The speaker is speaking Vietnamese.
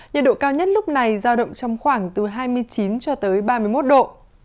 nhiệt độ cao nhất lúc này giao động trong khoảng từ hai mươi chín cho tới ba mươi một độ